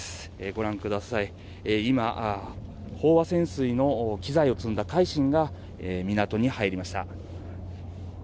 御覧ください、今、飽和潜水の機材を積んだ「海進」が港に入りました。